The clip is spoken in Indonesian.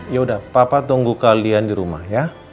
ya udah papa tunggu kalian di rumah ya